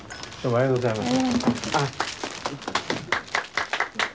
ありがとうございます。